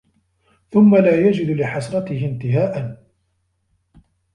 ثُمَّ لَا يَجِدُ لِحَسْرَتِهِ انْتِهَاءً